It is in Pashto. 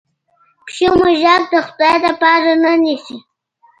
پیشو موږک د خدای لپاره نه نیسي.